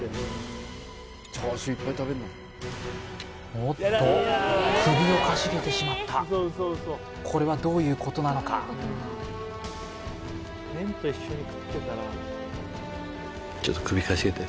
おっと首をかしげてしまったこれはどういうことなのかちょっと首かしげたよ